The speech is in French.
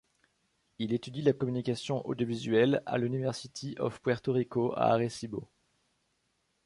Il étudie la communication audiovisuelle à l'University of Puerto Rico à Arecibo.